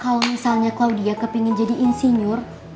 kalo misalnya claudia kepengen jadi insinyur